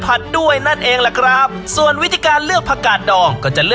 ผัดด้วยนั่นเองละครับส่วนวิธีการเลือกผักกัดดองก็จะ